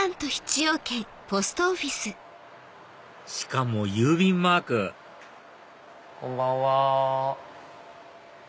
しかも郵便マークこんばんは。